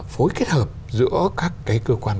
phối kết hợp giữa các cái cơ quan